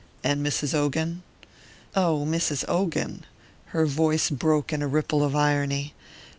"And Mrs. Ogan?" "Oh, Mrs. Ogan " Her voice broke in a ripple of irony.